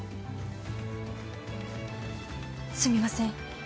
すみません。